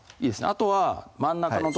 あとは真ん中の所